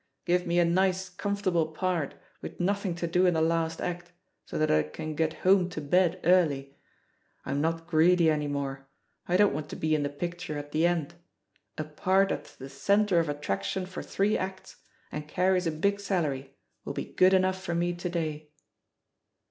Give me a nice comfort able part with nothing to do in the last act, so that I can get home to bed early. I'm not greedy any more, I don't want to be in the picture at the end ; a part that's the centre of attraction for three acts, and carries a big salary, will be good enough for me to day."